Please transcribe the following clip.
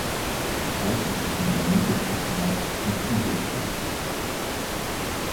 Schweizerischen Armee-Gepäckmarsch" in Zürich statt.